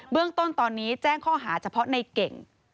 เรื่องต้นตอนนี้แจ้งข้อหาเฉพาะในเก่ง